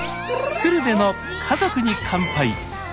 「鶴瓶の家族に乾杯」。